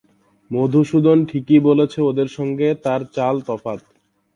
মধুসূদন ঠিকই বলেছে ওদের সঙ্গে তার চাল তফাত।